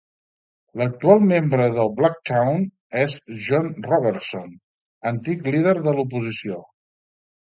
L'actual membre per Blacktown és en John Robertson, antic líder de l'oposició.